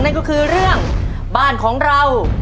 นั่นก็คือเรื่องบ้านของเรา